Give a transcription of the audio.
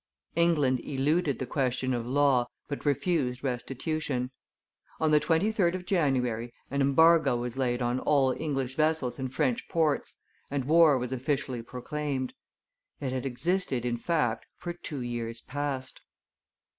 England eluded the question of law, but refused restitution. On the 23d of January, an embargo was laid on all English vessels in French ports, and war was officially proclaimed. It had existed in fact for two years past.